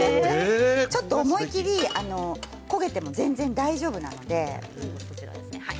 思い切り焦げても全然大丈夫なので。